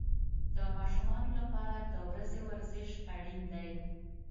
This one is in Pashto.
د ماشومانو لپاره د ورځې ورزش اړین دی.